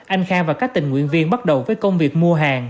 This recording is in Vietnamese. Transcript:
anh khang và các tình nguyện viên bắt đầu với công việc mua hàng